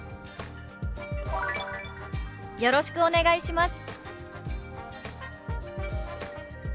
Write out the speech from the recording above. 「よろしくお願いします」。